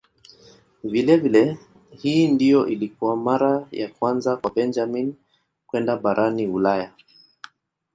Vilevile hii ndiyo ilikuwa mara ya kwanza kwa Benjamin kwenda barani Ulaya.